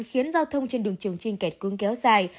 khiến giao thông trên đường trường trinh kẹt cứng kéo dài